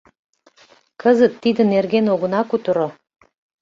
— Кызыт тиде нерген огына кутыро.